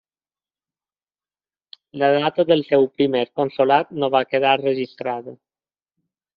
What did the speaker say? La data del seu primer consolat no va quedar registrada.